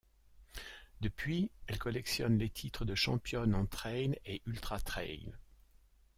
Depuis, elle collectionne les titres de championne en trail et en ultra-trail.